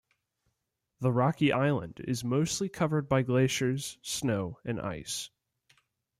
The rocky island is mostly covered by glaciers, snow and ice.